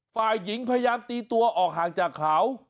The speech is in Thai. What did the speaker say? ฝ่ายหญิงพยายามตีตัวออกห่างจากเขา